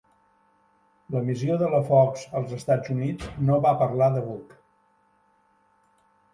L'emissió de la Fox als Estats Units no va parlar de Burke.